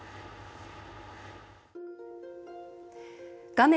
画面